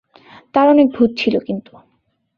তার অনেক ভূত ছিল, কিন্তু।